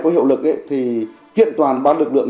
có hiệu lực thì kiện toàn bán lực lượng